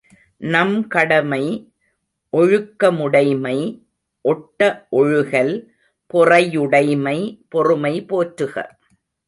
நம் கடமை ஒழுக்கமுடைமை ஒட்ட ஒழுகல் பொறையுடைமை பொறுமை போற்றுக!